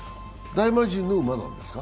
大魔神の馬なんですか？